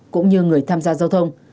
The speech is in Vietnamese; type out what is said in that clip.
cũng như người tham gia giao thông